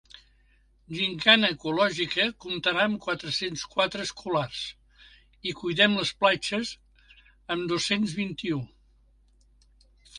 “Gimcana Ecològica” comptarà amb quatre-cents quatre escolars i “Cuidem les Platges”, amb dos-cents vint-i-u.